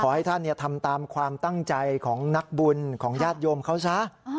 ให้ท่านทำตามความตั้งใจของนักบุญของญาติโยมเขาซะ